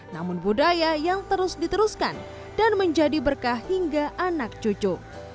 namun budaya yang terus diteruskan dan menjadi berkah hingga anak cucu